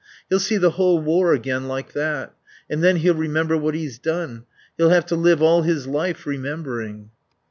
He'll see the whole war again like that; and then he'll remember what he's done. He'll have to live all his life remembering...."